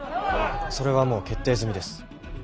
それはもう決定済みです。